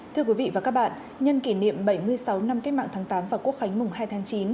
thưa quý vị và các bạn nhân kỷ niệm bảy mươi sáu năm cách mạng tháng tám và quốc khánh mùng hai tháng chín